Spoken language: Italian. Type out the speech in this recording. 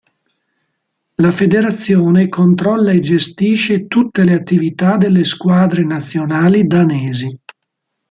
La federazione controlla e gestisce tutte le attività delle squadre nazionali danesi.